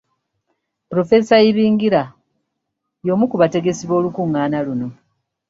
Polofeesa Ibingira y’omu ku bategesi b’olukungaana luno.